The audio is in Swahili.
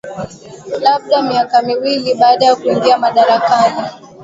labda miaka miwili baada ya kuingia madarakani